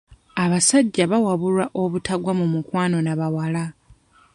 Abasajja bawabulwa obutagwa mu mukwano n'abawala.